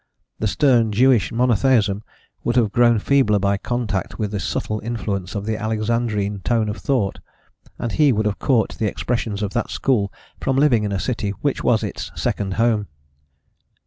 The stern Jewish monotheism would have grown feebler by contact with the subtle influence of the Alexandrine tone of thought; and he would have caught the expressions of that school from living in a city which was its second home.